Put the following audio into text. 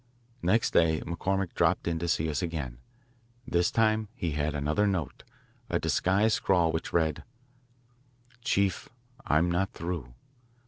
Next day McCormick dropped in to see us again. This time he had another note, a disguised scrawl which read: Chief I'm not through.